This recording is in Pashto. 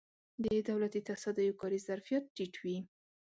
د دولتي تصدیو کاري ظرفیت ټیټ وي.